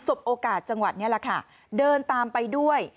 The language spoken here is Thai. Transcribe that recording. บโอกาสจังหวัดนี้แหละค่ะเดินตามไปด้วย